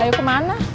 hayuk ke mana